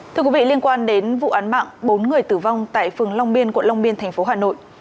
thưa quý vị liên quan đến vụ án mạng bốn người tử vong tại phường long biên quận long biên tp hà nội